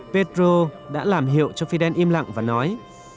petro đã làm hiệu cho fidel im lặng và nói